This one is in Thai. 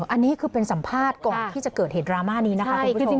อันนี้คือเป็นสัมภาษณ์ก่อนที่จะเกิดเหตุดราม่านี้นะคะคุณผู้ชม